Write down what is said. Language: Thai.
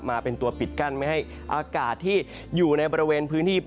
มาเป็นตัวปิดกั้นไม่ให้อากาศที่อยู่ในบริเวณพื้นที่